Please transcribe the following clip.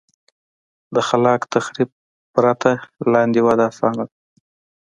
له خلاق تخریب پرته لاندې وده اسانه ده.